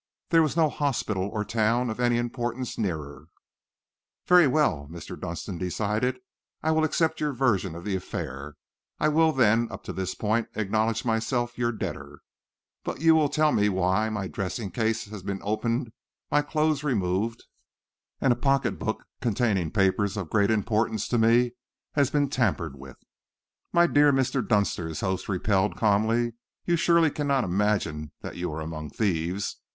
There was no hospital or town of any importance nearer." "Very well," Mr. Dunster decided. "I will accept your version of the affair. I will, then, up to this point acknowledge myself your debtor. But will you tell me why my dressing case has been opened, my clothes removed, and a pocket book containing papers of great importance to me has been tampered with?" "My dear Mr. Dunster," his host repelled calmly, "you surely cannot imagine that you are among thieves!